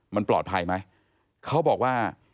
มันปลอดภัยไหมเขาบอกว่า